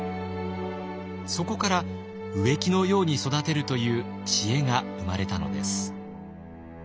そこから「植木のように育てる」という知恵が生まれたのです。